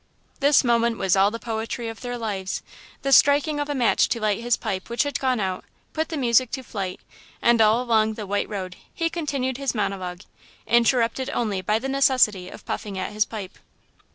This moment was all the poetry of their lives. The striking of a match to light his pipe, which had gone out, put the music to flight, and all along the white road he continued his monologue, interrupted only by the necessity of puffing at his pipe.